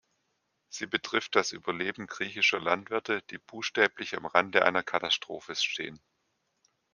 Sie betrifft das Überleben griechischer Landwirte, die buchstäblich am Rande einer Katastrophe stehen.